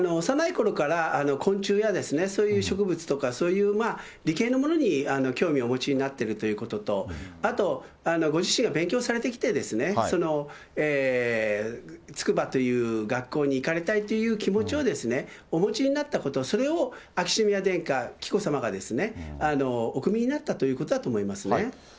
幼いころから昆虫や、そういう植物とか、そういう理系のものに興味をお持ちになってるということと、あと、ご自身が勉強されてきてですね、筑波という学校に行かれたいという気持ちをお持ちになったこと、それを秋篠宮殿下、紀子さまがおくみになったということだと思いますね。